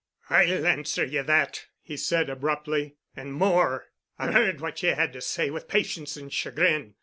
"I'll answer ye that," he said abruptly. "And more. I've heard what ye had to say with patience and chagrin.